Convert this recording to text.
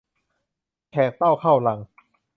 แขกเต้าเข้ารัง